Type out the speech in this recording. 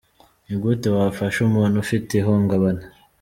Ni gute wafasha umuntu ufite ihungabana ?.